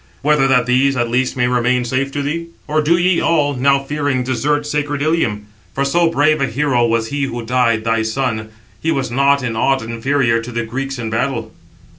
Whether that these, at least, may remain safe to thee? Or do ye all, now fearing, desert sacred Ilium? For so brave a hero, was he who died, thy son; he was not in aught inferior to the Greeks in battle."